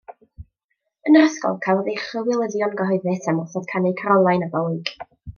Yn yr ysgol cafodd ei chywilyddio'n gyhoeddus am wrthod canu carolau Nadolig.